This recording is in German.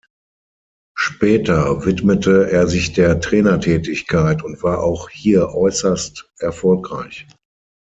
Später widmete er sich der Trainertätigkeit und war auch hier äußerst erfolgreich.